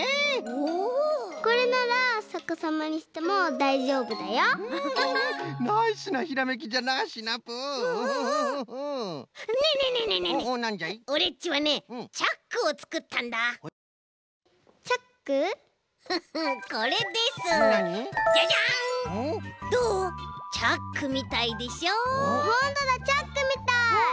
ほんとだチャックみたい！わ！